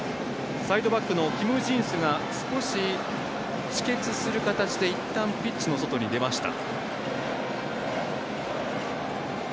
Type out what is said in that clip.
サイドバックのキム・ジンスが少し止血する形でいったん、ピッチの外に出ました。